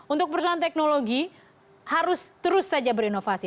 untuk perusahaan teknologi harus terus saja berinovasi